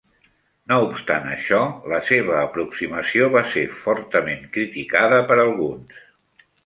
No obstant això, la seva aproximació va ser fortament criticada per alguns.